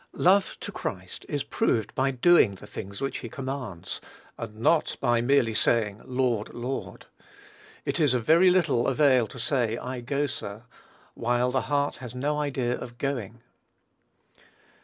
Love to Christ is proved by doing the things which he commands, and not by merely saying, "Lord, Lord." It is of very little avail to say, "I go, sir," while the heart has no idea of going.